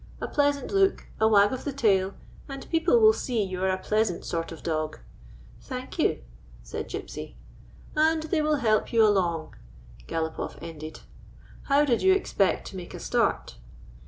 A pleasant look, a wag of the tail, and people will see you are a pleasant sort of dog —"" Thank you," said Gypsy. ''And they will help you along," Galopoff ended. "How did you expect to make a start?"